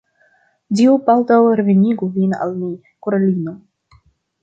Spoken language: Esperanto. Dio baldaŭ revenigu vin al ni, karulino.